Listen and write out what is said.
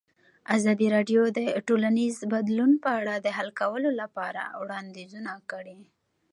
ازادي راډیو د ټولنیز بدلون په اړه د حل کولو لپاره وړاندیزونه کړي.